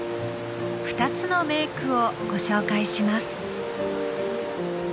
２つの名句をご紹介します。